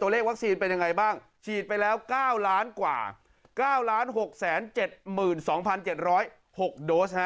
ตัวเลขวัคซีนเป็นยังไงบ้างฉีดไปแล้ว๙ล้านกว่า๙๖๗๒๗๐๖โดส